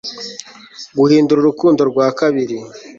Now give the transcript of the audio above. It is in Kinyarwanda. guhindura urukundo rwa babiri